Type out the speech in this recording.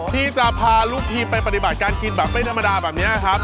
ที่จะพาลูกทีมไปปฏิบัติการกินแบบไม่ธรรมดาแบบนี้ครับ